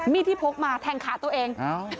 มีดที่พกมาแทงขาตัวเอง